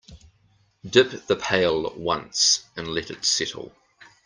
Dip the pail once and let it settle.